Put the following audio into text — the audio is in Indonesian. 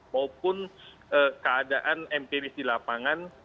maupun keadaan empiris di lapangan